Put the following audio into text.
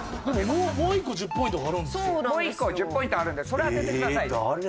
もう１個１０ポイントあるんでそれ当ててください。